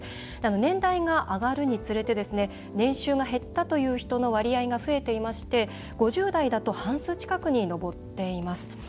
年代が上がるにつれて年収が減ったという人の割合が増えていまして５０代だと半数近くに上っています。